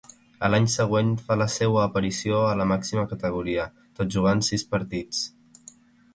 A l'any següent fa la seua aparició a la màxima categoria, tot jugant sis partits.